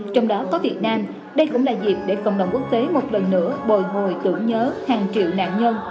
trong đó có việt nam đây cũng là dịp để cộng đồng quốc tế một lần nữa bồi hồi tưởng nhớ hàng triệu nạn nhân